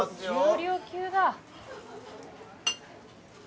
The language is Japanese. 重量級だ